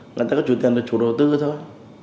người ta cứ chủ tiền ở chỗ đầu tư thôi